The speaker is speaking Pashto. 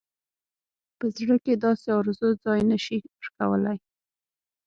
په زړه کې داسې آرزو ځای نه شي ورکولای.